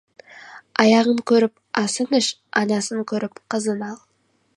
Аяғын көріп, асын іш, анасын көріп, қызын ал!